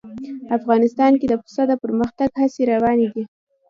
افغانستان کې د پسه د پرمختګ هڅې روانې دي.